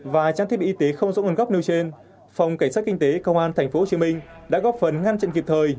và trang thiết bị y tế không rõ nguồn gốc nêu trên phòng cảnh sát kinh tế công an tp hcm đã góp phần ngăn chặn kịp thời